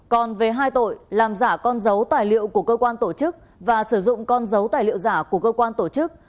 còn về hai tội làm giả con dấu tài liệu của cơ quan tổ chức và sử dụng con dấu tài liệu giả của cơ quan tổ chức